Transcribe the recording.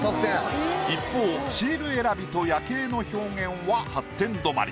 一方シール選びと夜景の表現は８点止まり。